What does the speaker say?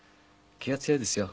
気は強いですよ。